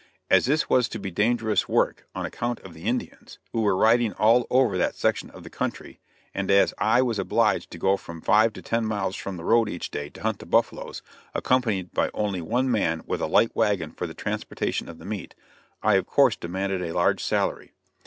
As this was to be dangerous work, on account of the Indians, who were riding all over that section of the country, and as I would be obliged to go from five to ten miles from the road each day to hunt the buffaloes, accompanied by only one man with a light wagon for the transportation of the meat, I of course demanded a large salary.